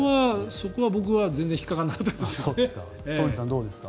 そこは僕は全然引っかからなかったですけどね。